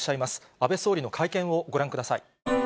安倍総理の会見をご覧ください。